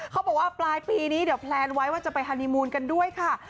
เขาบอกว่าปลายปีนี้เดี๋ยวแพลนไว้ว่าจะไปฮานีมูลกันด้วยค่ะ